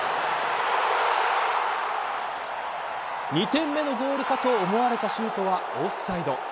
２点目のゴールかと思われたシュートはオフサイド。